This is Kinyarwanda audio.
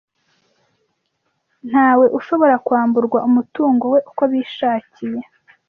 Ntawe ushobora kwamburwa umutungo we uko bishakiye.